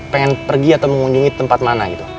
pengen pergi atau mengunjungi tempat mana gitu